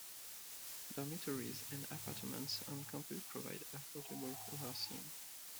Dormitories and apartments on campus provide affordable housing.